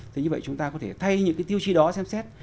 thế như vậy chúng ta có thể thay những tiêu chí đó xem xét